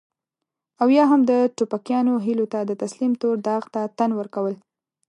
او يا هم د ټوپکيانو هيلو ته د تسليم تور داغ ته تن ورکول.